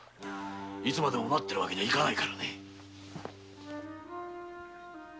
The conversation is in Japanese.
いつまでも待ってるわけにはいかないからね。